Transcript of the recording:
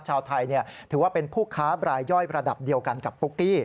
ชาวไทยถือว่าเป็นผู้ค้าบรายย่อยระดับเดียวกันกับปุ๊กกี้